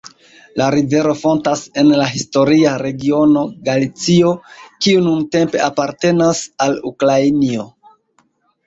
La rivero fontas en la historia regiono Galicio, kiu nuntempe apartenas al Ukrainio.